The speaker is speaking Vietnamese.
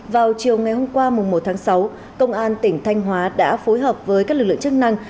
vào chiều ngày hôm qua một tháng sáu công an tỉnh thanh hóa đã phối hợp với các lực lượng chức năng